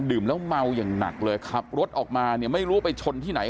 ดื่มแล้วเมาอย่างหนักเลยครับรถออกมาเนี้ยไม่รู้ว่าไปชนที่ไหน